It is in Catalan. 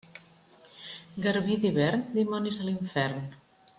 Garbí d'hivern, dimonis a l'infern.